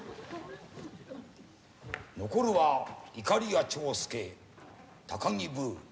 残るはいかりや長介高木ブー。